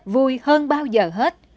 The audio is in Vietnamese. vui hơn bao giờ hết